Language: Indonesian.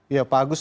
ya pak agus